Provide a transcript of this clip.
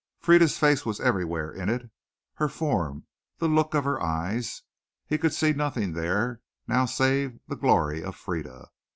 Frieda's face was everywhere in it, her form, the look of her eyes. He could see nothing there now save the glory of Frieda.